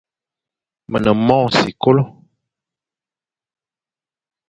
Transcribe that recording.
Me ne mong sikolo.